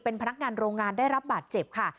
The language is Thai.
เป็นพนักงานโรงงานได้รับบาดเจ็บค่ะ